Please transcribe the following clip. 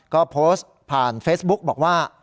ก็โพสต์ผ่านเฟซบุ๊กบอกว่า